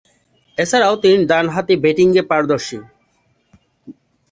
এছাড়াও তিনি ডানহাতে ব্যাটিংয়ে পারদর্শী।